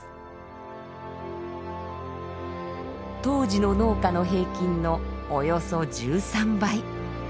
当時の農家の平均のおよそ１３倍。